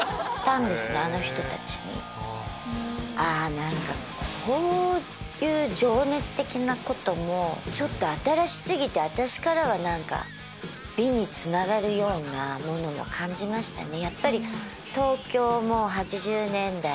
何かこういう情熱的なことも新し過ぎて私からは美につながるようなものも感じましたね。